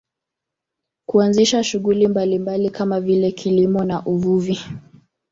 Kuanzisha shughuli mbalimbali kama vile kilimo na uvuvi